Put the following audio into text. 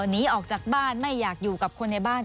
หนีออกจากบ้านไม่อยากอยู่กับคนในบ้าน